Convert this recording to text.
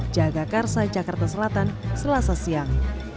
jagakarsa jakarta selatan selasa siang